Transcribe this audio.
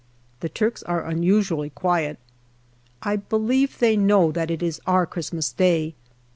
The Turks are unusually quiet. I believe they know that it is our Christmas Day.